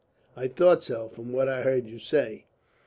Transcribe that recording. "I thought so, from what I heard you say."